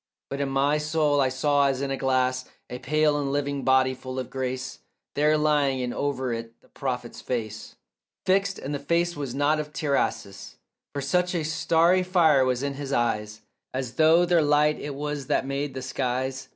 But in my soul I saw as in a glass A pale and living body full of grace There lying, and over it the prophet's face Fixed; and the face was not of Tiresias, For such a starry fire was in his eyes As though their light it was that made the skies.